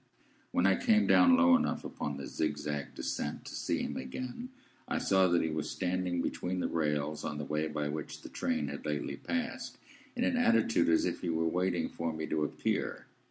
When I came down low enough upon the zigzag descent to see him again, I saw that he was standing between the rails on the way by which the train had lately passed, in an attitude as if he were waiting for me to appear.